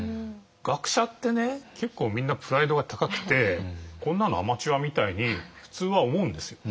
学者ってね結構みんなプライドが高くてこんなのアマチュアみたいに普通は思うんですよ。